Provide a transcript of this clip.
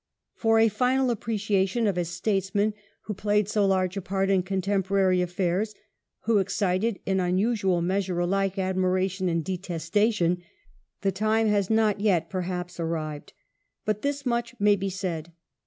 For a final appreciation of a statesman who played so large a part in contemporai'y affairs, who excited in unusual measure alike ad miration and detestation, the time has not, perhaps, arrived. But this much may be said.